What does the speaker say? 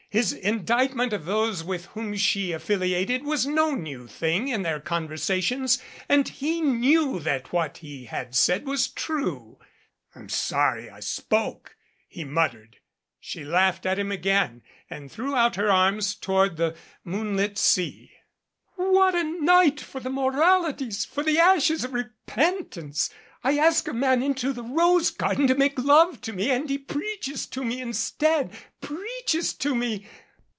His in dictment of those with whom she affiliated was no new thing in their conversations, and he knew that what he had said was true. "I'm sorry I spoke," he muttered. She laughed at him again and threw out her arms to ward the moonlit sea. "What a night for the moralities for the ashes of repentance! I ask a man into the rose garden to make love to me and he preaches to me instead preaches to me!